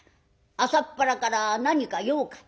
朝っぱらから何か用かい？」。